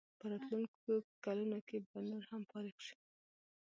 په راتلونکو کلونو کې به نور هم فارغ شي.